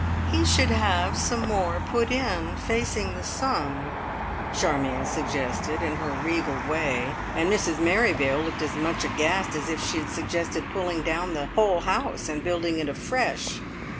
"He should have some more put in, facing the sun," Charmion suggested in her regal way, and Mrs Merrivale looked as much aghast as if she had suggested pulling down the whole house and building it afresh.